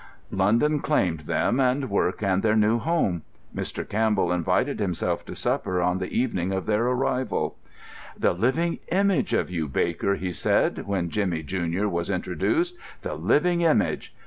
London claimed them, and work and their new home. Mr. Campbell invited himself to supper on the evening of their arrival. "The living image of you, Baker," he said, when Jimmy, junior, was introduced, "the living image!"